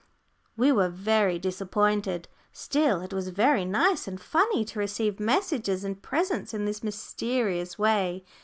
We were very disappointed. Still, it was very nice and funny to receive messages and presents in this mysterious way.